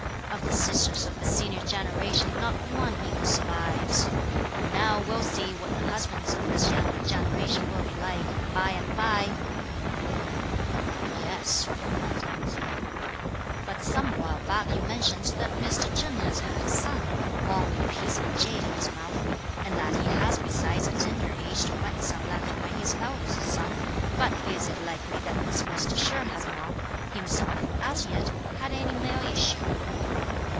Of the sisters of the senior generation not one even survives! But now we'll see what the husbands of this younger generation will be like by and bye!" "Yes," replied Yü ts'un. "But some while back you mentioned that Mr. Cheng has had a son, born with a piece of jade in his mouth, and that he has besides a tender aged grandson left by his eldest son; but is it likely that this Mr. She has not, himself, as yet, had any male issue?"